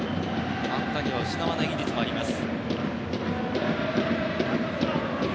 簡単に失わない技術もあります。